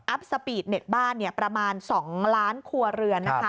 สปีดเน็ตบ้านประมาณ๒ล้านครัวเรือน